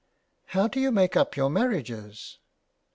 ''" How do you make up your marriages